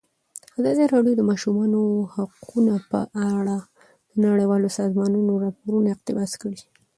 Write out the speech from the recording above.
ازادي راډیو د د ماشومانو حقونه په اړه د نړیوالو سازمانونو راپورونه اقتباس کړي.